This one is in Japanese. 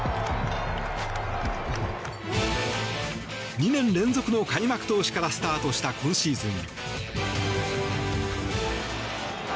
２年連続の開幕投手からスタートした今シーズン。